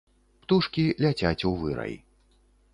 Птушкі ляцяць у вырай.